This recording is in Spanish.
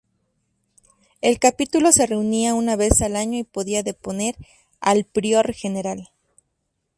El capítulo se reunía una vez al año y podía deponer al prior general.